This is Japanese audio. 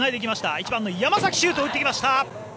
１番の山崎シュートを打ってきました。